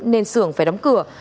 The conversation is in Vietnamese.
nên sưởng phải đóng cửa